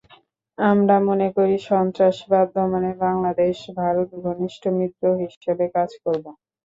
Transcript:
আমরা মনে করি সন্ত্রাসবাদ দমনে বাংলাদেশ-ভারত ঘনিষ্ঠ মিত্র হিসেবে কাজ করব।